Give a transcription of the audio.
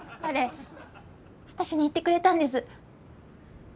彼私に言ってくれたんです。